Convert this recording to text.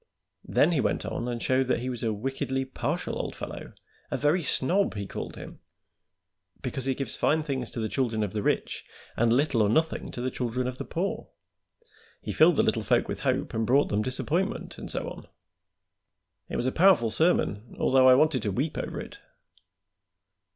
Then he went on and showed that he was a wickedly partial old fellow a very snob, he called him because he gives fine things to the children of the rich and little or nothing to the children of the poor. He filled the little folk with hope and brought them disappointment, and so on. It was a powerful sermon, although I wanted to weep over it."